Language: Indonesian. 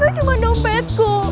yang diambil cuma dompetku